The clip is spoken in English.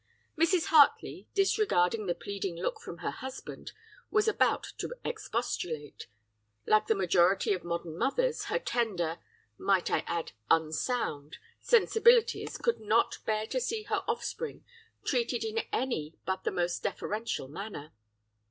"Mrs. Hartley, disregarding the pleading look from her husband, was about to expostulate; like the majority of modern mothers, her tender might I add unsound sensibilities could not bear to see her offspring treated in any but the most deferential manner.